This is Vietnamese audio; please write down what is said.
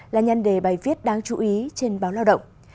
là nhân đề bài viết đáng chú ý trên báo lao động